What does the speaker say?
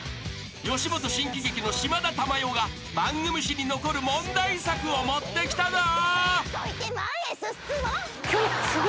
［吉本新喜劇の島田珠代が番組史に残る問題作を持ってきたぞ］